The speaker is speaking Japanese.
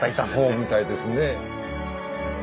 そうみたいですね。